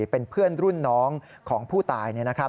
เป็นเพื่อนรุ่นน้องของผู้ตาย